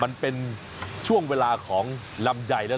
มันเป็นช่วงเวลาของลำไยแล้ว